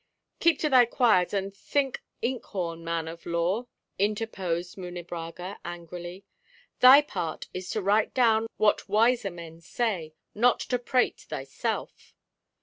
"Keep to thy quires and thine ink horn, man of law," interposed Munebrãga angrily. "Thy part is to write down what wiser men say, not to prate thyself."